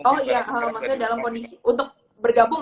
oh ya maksudnya dalam kondisi untuk bergabung